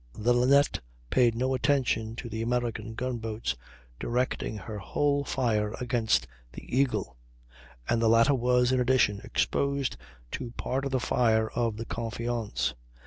The Linnet paid no attention to the American gunboats, directing her whole fire against the Eagle, and the latter was, in addition, exposed to part of the fire of the Confiance.